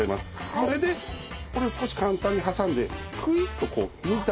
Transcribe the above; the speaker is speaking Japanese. それでこれを少し簡単に挟んでくいっとこう抜いてあげる。